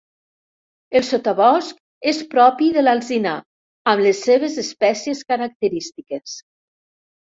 El sotabosc és propi de l'alzinar, amb les seves espècies característiques.